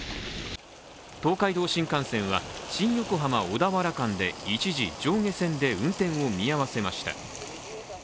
東海道新幹線は新横浜−小田原間で一時上下線の運転を見合わせました。